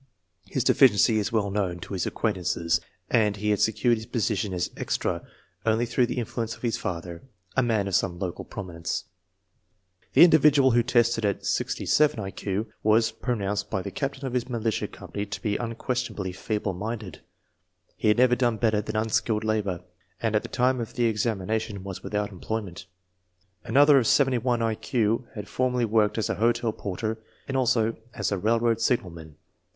His deficiency is well known to his acquaintances, and he had secured his position as " extra M only through the influence of his father, a man of some local prominence. The individual who tested at 67 1 Q was pronounced by the captain of his militia company to be unques tionably feeble minded. He had never done better than unskilled labor, and at the time of the examina tion was without employment. Another of 71 1 Q had formerly worked as a hotel porter and also as a railroad signalman.